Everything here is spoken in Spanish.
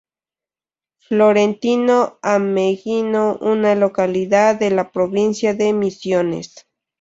Florentino Ameghino, una localidad de la Provincia de Misiones.